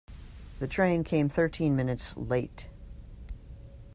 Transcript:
The train came thirteen minutes late.